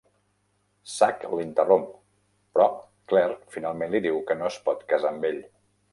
Sack l'interromp, però Claire finalment li diu que no es pot casar amb ell.